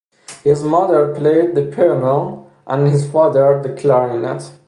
His mother played the piano, and his father, the clarinet.